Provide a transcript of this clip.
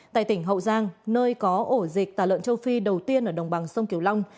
tại tỉnh hậu giang nơi có ổ dịch tà lợn châu phi đầu tiên ở đồng bằng sông kiều long